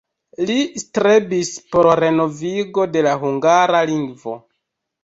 Li strebis por renovigo de la hungara lingvo.